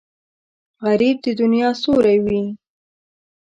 غریب د دنیا سیوری وي